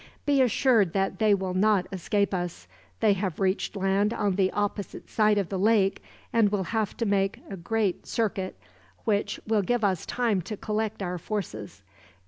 "Be assured that they will not escape us. They have reached land on the opposite side of the lake, and will have to make a great circuit, which will give us time to collect our forces.